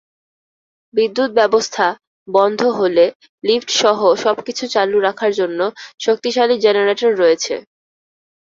বিদ্যুৎ ব্যবস্থা বন্ধ হলে লিফটসহ সবকিছু চালু রাখার জন্য শক্তিশালী জেনারেটর রয়েছে।